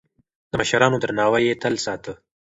د مشرانو درناوی يې تل ساته.